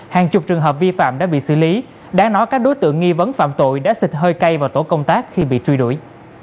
hàng chục trường hợp vi phạm đã bị xử lý đáng nói các đối tượng nghi vấn phạm tội đã xịt hơi cay vào tổ công tác khi bị truy đuổi